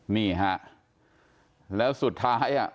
นี่ฮะแล้วสุดท้ายอ่ะ